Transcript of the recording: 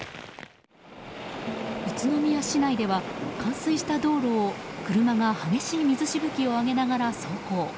宇都宮市内では冠水した道路を車が激しい水しぶきを上げながら走行。